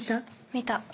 見た。